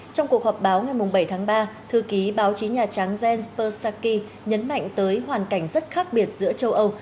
trong cuộc họp báo ngày bảy tháng ba thư ký báo chí nhà trắng jenspersaki nhấn mạnh tới hoàn cảnh rất khác biệt giữa châu âu